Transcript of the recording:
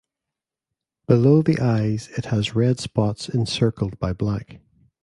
Below the eyes it has red spots encircled by black.